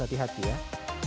masukkan air panas